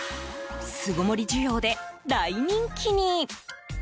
巣ごもり需要で大人気に。